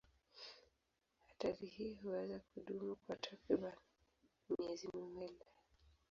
Hatari hii huweza kudumu kwa takriban miezi miwili.